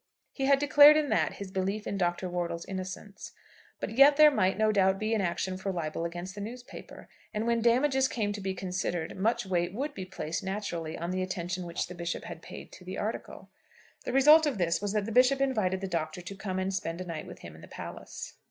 He had declared in that his belief in Dr. Wortle's innocence. But yet there might, no doubt, be an action for libel against the newspaper. And when damages came to be considered, much weight would be placed naturally on the attention which the Bishop had paid to the article. The result of this was that the Bishop invited the Doctor to come and spend a night with him in the palace.